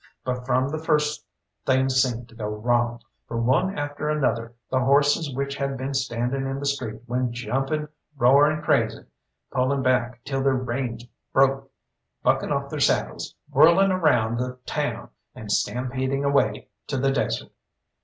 But from the first things seemed to go wrong, for one after another the horses which had been standing in the street went jumping roaring crazy, pulling back till their reins broke, bucking off their saddles, whirling around the town, and stampeding away to the desert.